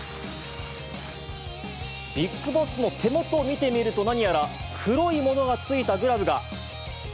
ビッグボスの手元を見てみると、何やら黒いものがついたグラブが。